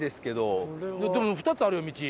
でも２つあるよ道。